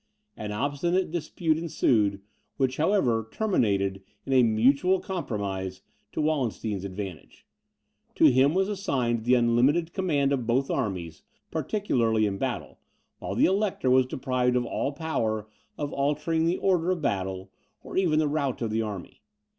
An obstinate dispute ensued, which, however, terminated in a mutual compromise to Wallenstein's advantage. To him was assigned the unlimited command of both armies, particularly in battle, while the Elector was deprived of all power of altering the order of battle, or even the route of the army.